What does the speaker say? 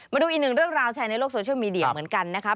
มาดูอีกหนึ่งเรื่องราวแชร์ในโลกโซเชียลมีเดียเหมือนกันนะครับ